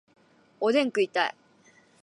おでん食いたい